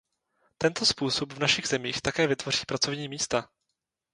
Tento způsob v našich zemích také vytvoří pracovní místa.